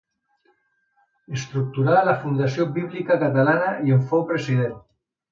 Estructurà la Fundació Bíblica Catalana i en fou president.